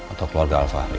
atau keluarga alpahari